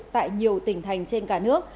tại nhiều tỉnh thành trên cả nước